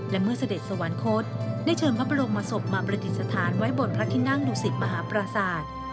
และเมื่อเสด็จสวรรคตได้เชิญพระบรมศพมาประดิษฐานไว้บนพระทินั่งดุสิตมหาปราศาสตร์